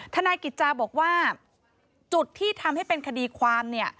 นายกิจจาบอกว่าจุดที่ทำให้เป็นคดีความเนี่ย